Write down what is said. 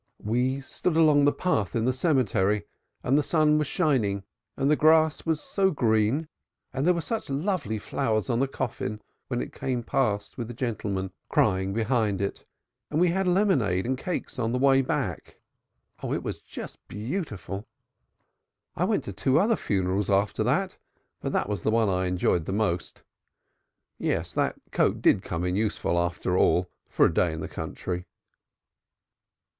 We stood along the path in the cemetery and the sun was shining and the grass was so green and there were such lovely flowers on the coffin when it came past with the gentlemen crying behind it and then we had lemonade and cakes on the way back. Oh, it was just beautiful! I went to two other funerals after that, but that was the one I enjoyed most. Yes, that coat did come in useful after all for a day in the country."